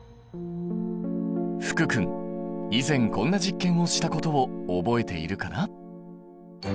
福君以前こんな実験をしたことを覚えているかな？